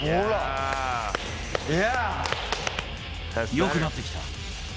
よくなってきた。